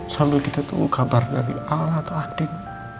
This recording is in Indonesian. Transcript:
sambil kita tunggu kabar dari allah atau adin